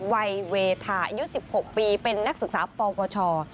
วัยเวทาอายุ๑๖ปีเป็นนักศึกษาปวช